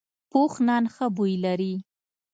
پوخ نان ښه بوی لري